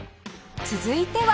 続いては